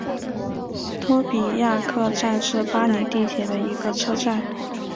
托比亚克站是巴黎地铁的一个车站。